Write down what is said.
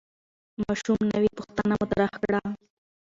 ماشوم نوې پوښتنه مطرح کړه